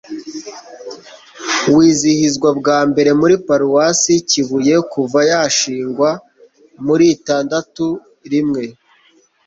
wizihizwa bwa mbere muri paruwasi kibuye kuva yashingwa muri itandatu rimwe